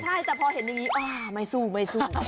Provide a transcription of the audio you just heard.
ใช่แต่พอเห็นอย่างนี้ไม่สู้ไม่สู้